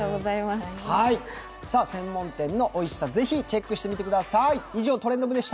専門店のおいしさ、ぜひチェックしてみてください。